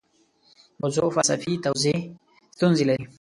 موضوع فلسفي توضیح ستونزې لري.